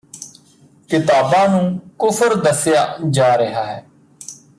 ਕਿਤਾਬਾਂ ਨੂੰ ਕੁਫਰ ਦੱਸਿਆ ਜਾ ਰਿਹਾ ਹੈ